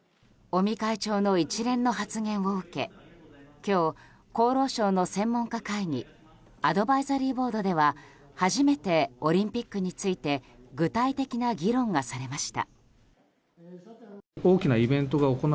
今日、厚労省の専門家会議アドバイザリーボードでは初めて、オリンピックについて具体的な議論がされました。